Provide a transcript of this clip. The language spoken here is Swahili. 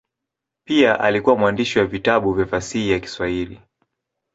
Pia alikuwa mwandishi wa vitabu vya fasihi ya Kiswahili.